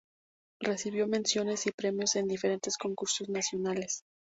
Recibió menciones y premios en diferentes concursos nacionales.